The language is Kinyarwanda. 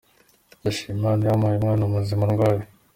Ndashima Imana yampaye umwana muzima ndwaye.